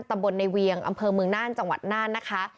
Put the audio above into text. ตำบลในเวียงอำเภอเมืองน่านจังหวัดน่านนะคะ